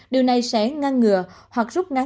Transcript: điều này sẽ ngăn ngừa hoặc rút ngắn thời gian